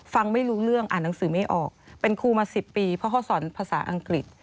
ฟังไม่รู้เรื่องอ่านหนังสือไม่ออกเป็นครูมา๑๐ปีเพราะเขาสอนภาษาอังกฤษ